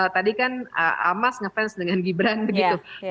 tadi kan amas ngefans dengan gibran gitu